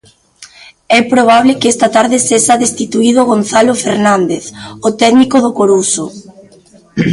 E probable que esta tarde sexa destituído Gonzalo Fernández, o técnico do Coruxo.